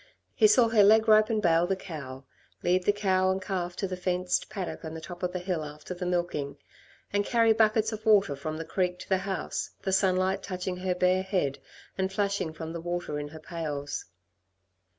He saw her leg rope and bail the cow, lead the cow and calf to the fenced paddock on the top of the hill after the milking, and carry buckets of water from the creek to the house, the sunlight touching her bare head and flashing from the water in her pails.